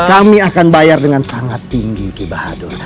kami akan bayar dengan sangat tinggi ki bahadur